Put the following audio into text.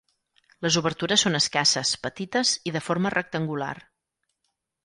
Les obertures són escasses, petites i de forma rectangular.